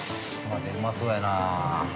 ◆うまそうやなぁ。